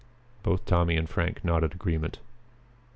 Both Tommy and Frank nodded agreement.